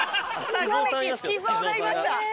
坂道好き造がいました！